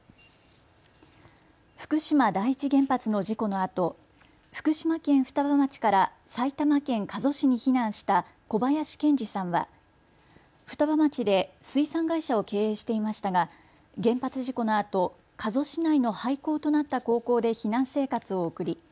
福島第一原発の事故のあと福島県双葉町から埼玉県加須市に避難した小林謙二さんは双葉町で水産会社を経営していましたが原発事故のあと加須市内の廃校となった高校で避難生活を送り